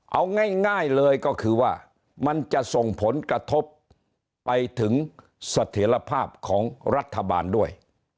เอาง่ายเลยก็คือว่ามันจะส่งผลกระทบไปถึงเสถียรภาพของรัฐบาลด้วย